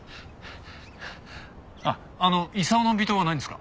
あっあのイサオの微糖はないんですか？